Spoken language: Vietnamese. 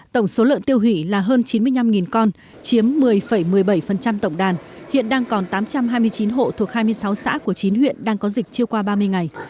tổng số lợn tiêu hủy là hơn chín mươi năm con chiếm một mươi một mươi bảy tổng đàn hiện đang còn tám trăm hai mươi chín hộ thuộc hai mươi sáu xã của chín huyện đang có dịch chưa qua ba mươi ngày